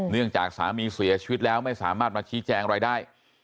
จากสามีเสียชีวิตแล้วไม่สามารถมาชี้แจงอะไรได้